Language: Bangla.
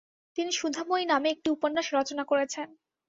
তিনি "সুধাময়ী" নামে একটি উপন্যাস রচনা করেছেন।